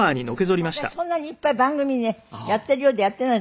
でも私そんなにいっぱい番組ねやっているようでやっていない。